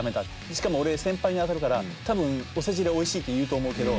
しかも俺先輩にあたるから多分お世辞で「おいしい」って言うと思うけど。